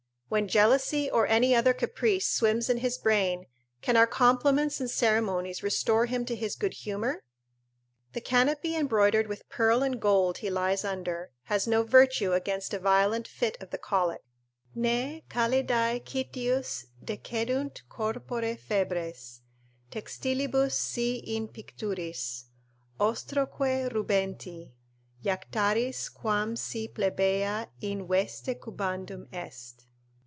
When jealousy or any other caprice swims in his brain, can our compliments and ceremonies restore him to his good humour? The canopy embroidered with pearl and gold he lies under has no virtue against a violent fit of the colic: "Nee calidae citius decedunt corpore febres Textilibus si in picturis, ostroque rubenti Jactaris, quam si plebeia in veste cubandum est."